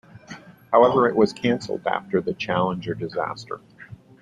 However, it was cancelled after the "Challenger" disaster.